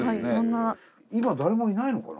今誰もいないのかな？